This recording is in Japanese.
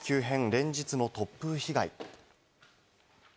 連日の突風被害。